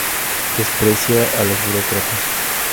Desprecia a los burócratas.